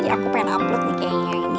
aku pengen hampers nih kayaknya ini